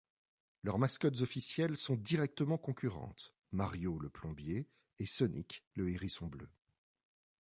Leurs mascottes officielles sont directement concurrentes, Mario le plombier, et Sonic le hérisson bleu.